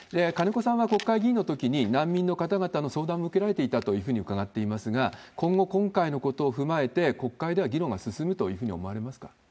金子さんは国会議員のときに、難民の方々の相談も受けられていたというふうに伺っていますが、今後、今回のことを踏まえて、国会では議論が進むというふうに思われますか？